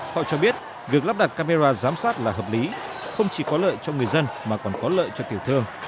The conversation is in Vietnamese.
họ cho biết việc lắp đặt camera giám sát là hợp lý không chỉ có lợi cho người dân mà còn có lợi cho tiểu thương